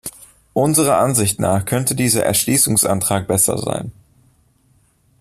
Unserer Ansicht nach könnte dieser Entschließungsantrag besser sein.